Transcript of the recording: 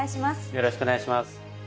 よろしくお願いします。